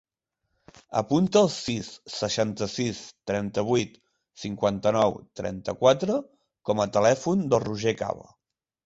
Apunta el sis, seixanta-sis, trenta-vuit, cinquanta-nou, trenta-quatre com a telèfon del Roger Caba.